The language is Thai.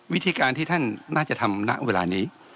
วิธีการที่ท่านน่าจะทำณเวลานี้